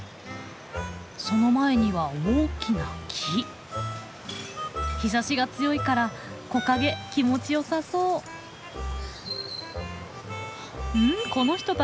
その前には大きな木。日ざしが強いから木陰気持ちよさそう。